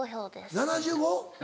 ７５？